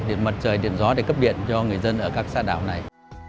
điện mặt trời điện gió để cấp điện cho người dân ở các xã đảo này